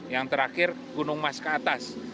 yang terakhir gunung mas ke atas